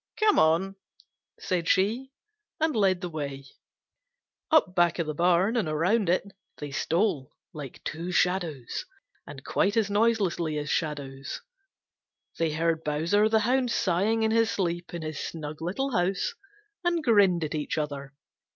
"Come on," said she and led the way. Up back of the barn and around it they stole like two shadows and quite as noiselessly as shadows. They heard Bowser the Hound sighing in his sleep in his snug little house, and grinned at each other.